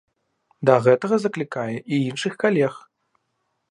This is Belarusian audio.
Да гэтага заклікае і іншых калег.